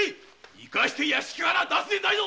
生かして屋敷から出すでないぞ。